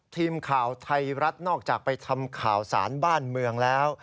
ทีมข่าวไทยรัฐนอกจากไปทำข่าวสารบ้านเมืองแล้ว